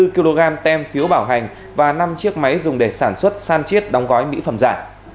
hai mươi kg tem phiếu bảo hành và năm chiếc máy dùng để sản xuất san chiết đóng gói mỹ phẩm giả